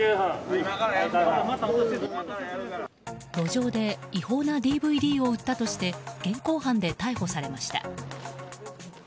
路上で違法なＤＶＤを売ったとして現行犯で逮捕されました。